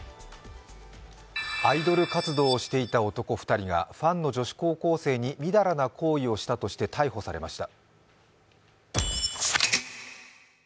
アイドル活動をしていた男２人がファンの女子高校生にみだらな行為をしたとして逮捕されました。